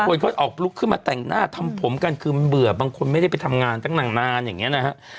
คนเขาออกลุกขึ้นมาแต่งหน้าทำผมกันคือมันเบื่อบางคนไม่ได้ไปทำงานตั้งนานอย่างนี้นะฮะ